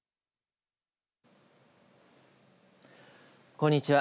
こんにちは。